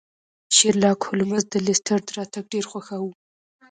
شیرلاک هولمز د لیسټرډ راتګ ډیر خوښاوه.